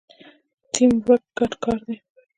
ټیم ورک ګډ کار دی